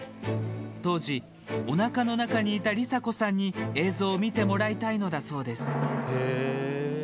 当時、おなかの中にいた理紗子さんに映像を見てもらいたいのだそうです。